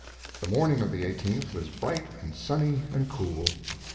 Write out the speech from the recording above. The morning of the 18th was bright and sunny and cool.